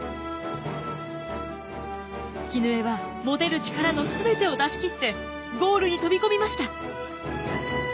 絹枝は持てる力の全てを出し切ってゴールに飛び込みました。